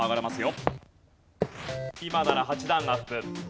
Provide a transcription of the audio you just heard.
今なら８段アップ。